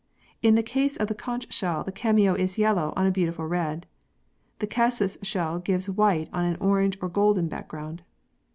In the case of the conch shell, the cameo is yellow on a beautiful red. The Cassis shells give white on an orange or golden background.